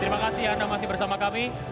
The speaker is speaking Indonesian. terima kasih anda masih bersama kami